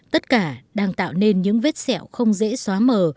tất cả đang tạo nên những vết sẹo không dễ xóa mờ